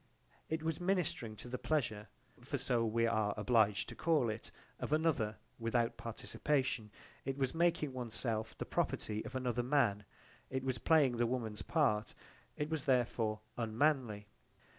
It was ministring to the pleasure, for so we are obliged to call it, of another without participation, it was making one's self the property of another man, it was playing the woman's part: it was therefore unmanly.